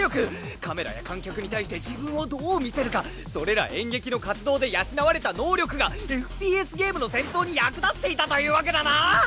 カメラや観客に対して自分をどう見せるかそれら演劇の活動で養われた能力がＦＰＳゲームの戦闘に役立っていたというわけだな！